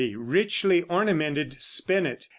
RICHLY ORNAMENTED SPINET.